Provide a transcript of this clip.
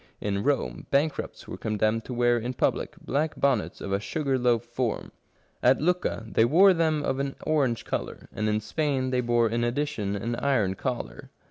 In Rome, bankrupts were condemned to wear in public black bonnets of a sugar loaf form. At Lucca they wore them of an orang^e colour ; and in Spain they bore in addition an iron collar.